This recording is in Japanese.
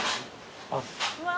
うわ！